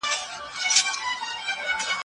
او یو شی په څو نومونو یادول